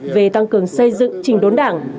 về tăng cường xây dựng trình đốn đảng